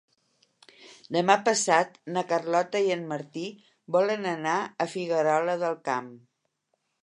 Demà passat na Carlota i en Martí volen anar a Figuerola del Camp.